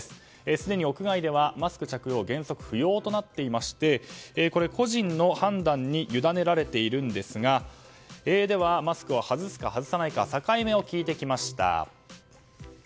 すでに屋外ではマスク着用は原則不要となっていまして個人の判断に委ねられているんですがマスクを外すか外さないかサカイ目を聞いてきました。